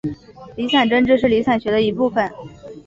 离散政治是离散学的一部份。